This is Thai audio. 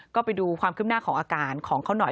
ก็ไปดูความขึ้นหน้าของอาการของเขาหน่อย